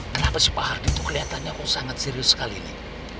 kenapa si pak rt tuh kelihatannya aku sangat serius sekali ini